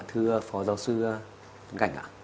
thưa phó giáo sư văn cảnh ạ